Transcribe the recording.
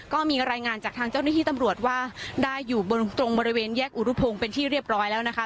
ก็มีรายงานจากทางเจ้าหน้าที่ตำรวจว่าได้อยู่บนตรงบริเวณแยกอุรุพงศ์เป็นที่เรียบร้อยแล้วนะคะ